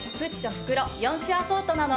袋４種アソートなの。